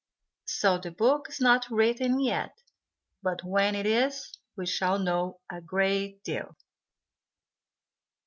So the book is not written yet, but when it is we shall know a great deal.